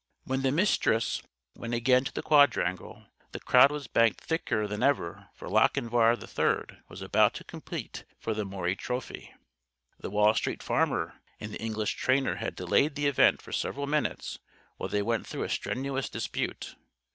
When the Mistress went again to the quadrangle, the crowd was banked thicker than ever, for Lochinvar III was about to compete for the Maury Trophy. The Wall Street Farmer and the English trainer had delayed the Event for several minutes while they went through a strenuous dispute.